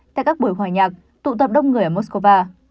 tại các buổi hòa nhạc tụ tập đông người ở moscow